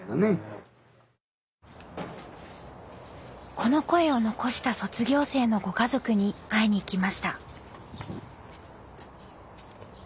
この声を残した卒業生のご家族に会いに行きました。